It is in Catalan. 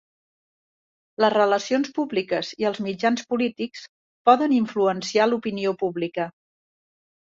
Les relacions públiques i els mitjans polítics poden influenciar l'opinió pública.